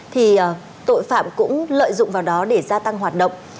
thì tội phạm cũng lợi dụng vào đó để gia tăng hoạt động